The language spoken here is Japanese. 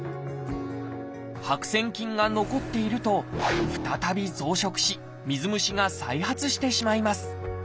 白癬菌が残っていると再び増殖し水虫が再発してしまいます。